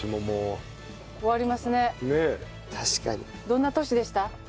どんな年でした？